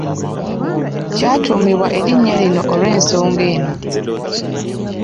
Kyatuumibwa erinnya lino olw’ensonga eno.